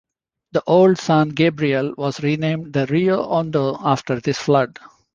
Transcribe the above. The old San Gabriel was renamed the Rio Hondo after this flood.